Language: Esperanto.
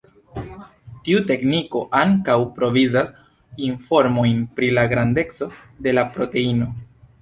Tiu tekniko ankaŭ provizas informojn pri la grandeco de la proteino.